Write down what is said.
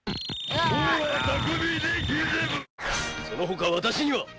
「その他私には」